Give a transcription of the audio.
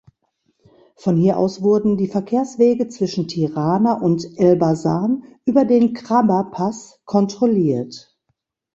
Von hier aus wurden die Verkehrswege zwischen Tirana und Elbasan über den Krraba-Pass kontrolliert.